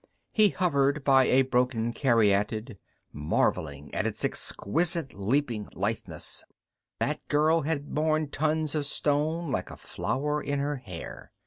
He hovered by a broken caryatid, marveling at its exquisite leaping litheness; that girl had borne tons of stone like a flower in her hair.